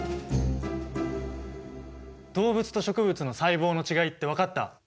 動物と植物の細胞の違いって分かった？